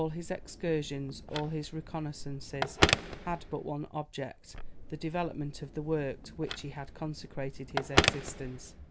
All his excursions, all his reconnaissances, had but one object, the development of the work to which he had consecrated his existence.